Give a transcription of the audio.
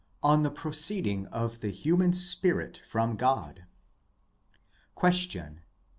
LIV ON THE PROCEEDING OF THE HUMAN SPIRIT FROM GOD Question.